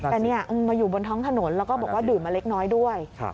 แต่นี่มาอยู่บนท้องถนนแล้วก็บอกว่าดื่มมาเล็กน้อยด้วย